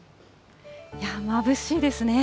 まぶしいですね。